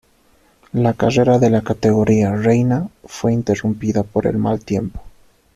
La carrera de la categoría reina fue interrumpida por el mal tiempo.